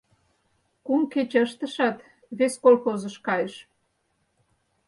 Кум кече ыштышат, вес колхозыш кайыш.